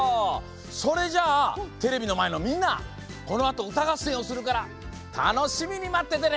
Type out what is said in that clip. それじゃあテレビのまえのみんなこのあとうたがっせんをするからたのしみにまっててね。